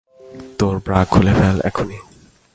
তোর ব্রা খুলে ফেল, এখনি!